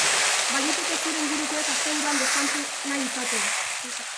Baliteke zure ingurukoek asteburuan deskantsatu nahi izatea.